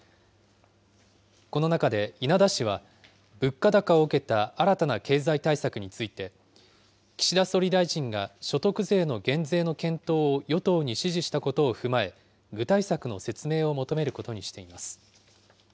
この中で稲田氏は、物価高を受けた新たな経済対策について、岸田総理大臣が所得税の減税の検討を与党に指示したことを踏まえ、具体策の説明を求めることにしています。